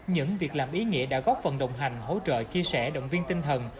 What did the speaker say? những việc làm ý nghĩa đã góp phần đồng hành hỗ trợ chia sẻ động viên tinh thần